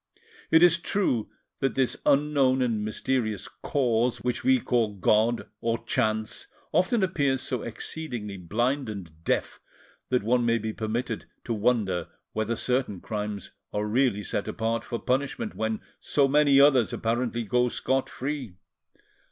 It is true that this unknown and mysterious Cause which we call "God" or "Chance" often appears so exceedingly blind and deaf that one may be permitted to wonder whether certain crimes are really set apart for punishment, when so many others apparently go scot free.